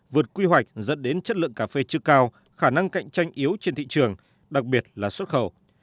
vượt quy hoạch dẫn đến chất lượng cà phê chưa cao khả năng cạnh tranh yếu trên thị trường đặc biệt là xuất khẩu